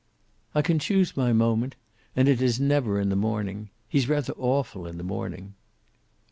"I can choose my moment. And it is never in the morning. He's rather awful in the morning."